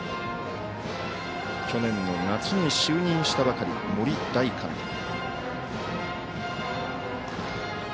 去年の夏に就任したばかり森大監督。